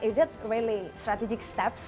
apakah itu benar benar langkah strategis